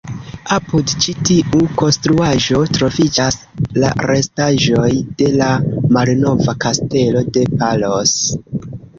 Apud ĉi tiu konstruaĵo, troviĝas la restaĵoj de la malnova kastelo de Palos.